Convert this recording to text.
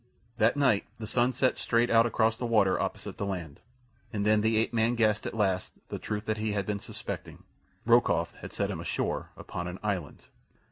That night the sun set straight out across the water opposite the land, and then the ape man guessed at last the truth that he had been suspecting. Rokoff had set him ashore upon an island.